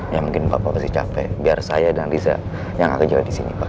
ya mungkin bapak pasti capek biar saya dan riza yang akan jaga di sini pak